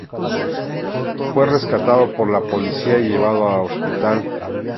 Fue rescatado por la policía y llevado a hospital.